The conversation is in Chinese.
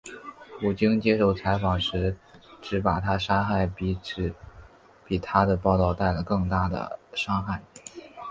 普京接受采访时指把她杀害比她的报导带来更大的伤害。